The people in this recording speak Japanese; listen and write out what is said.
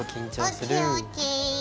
ＯＫＯＫ。